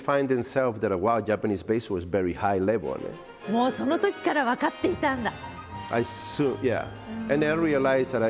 もうそのときから分かっていたんだ。